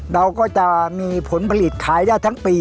เราก็จะมีผลผลิตขายได้ทั้งปี